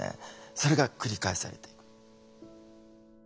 それが繰り返されていく。